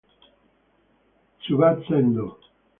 Tsubasa Endō